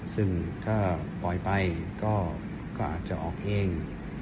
ซึ่งถ้าปล่อยไปก็อาจจะออกเอง